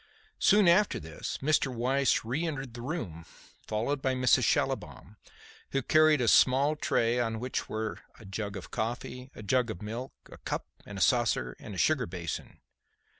Soon after this, Mr. Weiss re entered the room, followed by Mrs. Schallibaum, who carried a small tray, on which were a jug of coffee, a jug of milk, a cup and saucer and a sugar basin.